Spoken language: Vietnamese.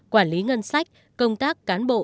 quản lý ngân sách công tác cán bộ